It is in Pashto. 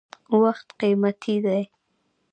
• وخت قیمتي دی.